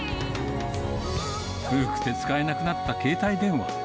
古くて使えなくなった携帯電話。